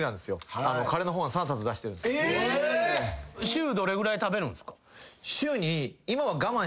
週どれぐらい食べるんすか？